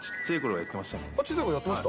何やってました？